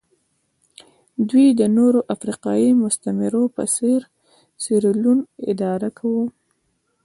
دوی د نورو افریقایي مستعمرو په څېر سیریلیون اداره کاوه.